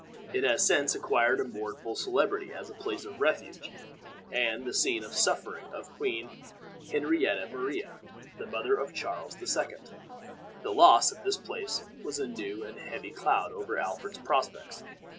It has since acquired a mournful celebrity as the place of refuge, and the scene of suffering of Queen Henrietta Maria, the mother of Charles the Second. The loss of this place was a new and heavy cloud over Alfred's prospects.